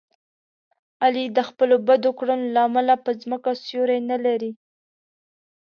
علي د خپلو بدو کړنو له امله په ځمکه سیوری نه لري.